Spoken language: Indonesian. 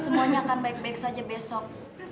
semuanya akan baik baik saja besok